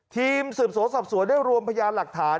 ทีมสืบสวนสอบสวนได้รวมพยานหลักฐาน